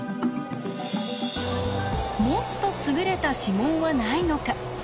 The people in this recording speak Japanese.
もっと優れた指紋はないのか？